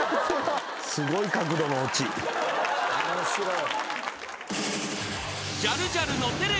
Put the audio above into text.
面白い。